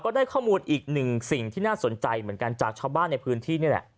ได้ข้อมูลอีกหนึ่งสิ่งที่น่าสนใจเหมือนกันจากชาวบ้านในพื้นที่นี่แหละ